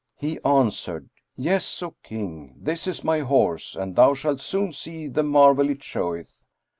He answered, "Yes, O King, this is my horse, and thou shalt soon see the marvel it showeth."